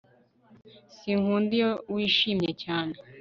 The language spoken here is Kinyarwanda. Sinkunda iyo wishimye cyane